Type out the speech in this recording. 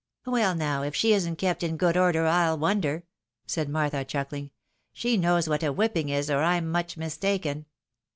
" Well now ! if she isn't kept in good order, I'U wonder," said Martha, chuckling. " She knows what a whipping is, or I'm much mistaken."